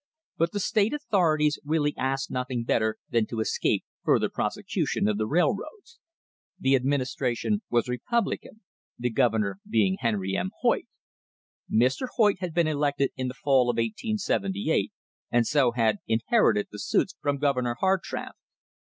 But the state authorities really asked nothing better than to escape further prosecution of the railroads. The administration was Republican, the Gov ernor being Henry M. Hoyt. Mr. Hoyt had been elected in the fall of 1878 and so had inherited the suits from Governor Hartranft.